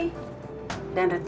dan rencana mereka juga